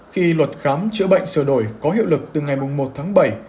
khi luật khám chữa bệnh sửa đổi có hiệu lực từ ngày một tháng bảy